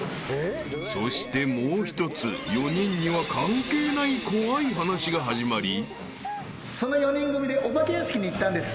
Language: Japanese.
［そしてもう一つ４人には関係ない怖い話が始まり］